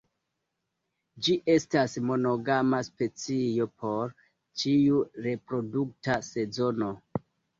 Ĝi estas monogama specio por ĉiu reprodukta sezono.